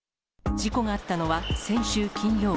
事故があったのは、先週金曜。